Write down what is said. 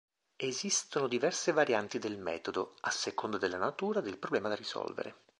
Esistono diverse varianti del metodo, a seconda della natura del problema da risolvere.